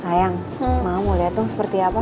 sayang mau lihat dong seperti apa